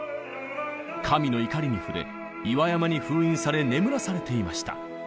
神の怒りに触れ岩山に封印され眠らされていました。